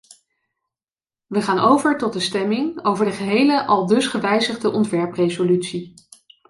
Wij gaan over tot de stemming over de gehele, aldus gewijzigde ontwerpresolutie.